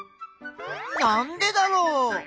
なんでだろう？